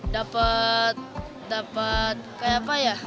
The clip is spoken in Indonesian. dapat dapat kayak apa ya